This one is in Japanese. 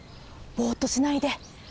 ボッとしないで！